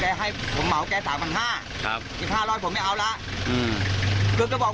นี่คือว่าแกมาท้อยนี่ได้ไงผมยังงง